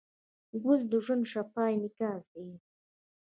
ګل د ژوند شفاف انعکاس دی.